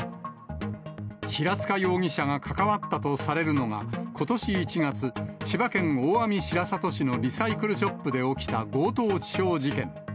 平塚容疑者が関わったとされるのが、ことし１月、千葉県大網白里市のリサイクルショップで起きた強盗致傷事件。